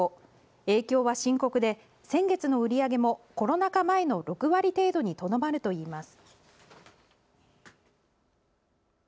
影響は深刻で、先月の売り上げもコロナ禍前の６割程度にとどまるといいます。